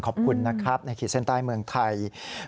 ขอบคุณในศาลในเมืองไทย